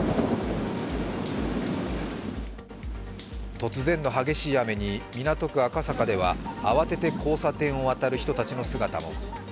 突然の激しい雨に港区赤坂では慌てて交差点を渡る人たちの姿も。